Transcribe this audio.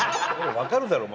分かるだろお前。